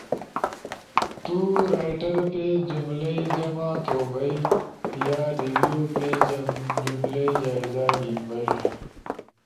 تُو ڑائیٹر پیج جمل ئی جمع توبھئی، یا ریویو پیج جملئی جائزہ گھیِن بئئیلا۔